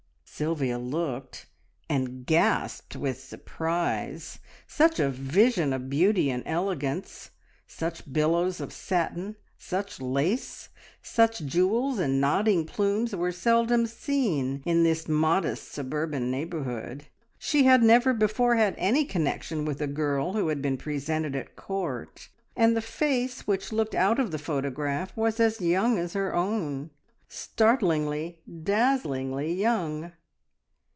Sylvia looked, and gasped with surprise. Such a vision of beauty and elegance, such billows of satin, such lace, such jewels and nodding plumes, were seldom seen in this modest suburban neighbourhood. She had never before had any connection with a girl who had been presented at Court, and the face which looked out of the photograph was as young as her own startlingly, dazzlingly young.